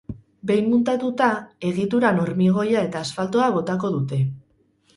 Behin muntatuta, egituran hormigoia eta asfaltoa botako dute.